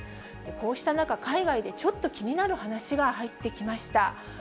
こうした中、海外でちょっと気になる話が入ってきました。